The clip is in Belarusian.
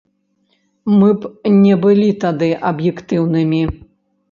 Мы б не былі тады аб'ектыўнымі.